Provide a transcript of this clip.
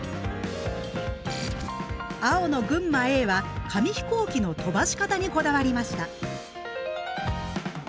青の群馬Ａは紙飛行機の飛ばし方にこだわりました。